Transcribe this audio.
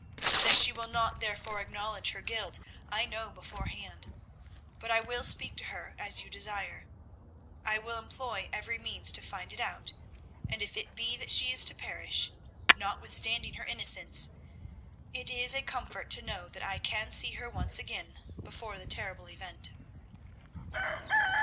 That she will not therefore acknowledge her guilt, I know beforehand. But I will speak to her as you desire. I will employ every means to find it out, and if it be that she is to perish, notwithstanding her innocence, it is a comfort to know that I can see her once again before the terrible event."